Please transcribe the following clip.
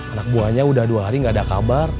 anak buahnya udah dua hari gak ada kabar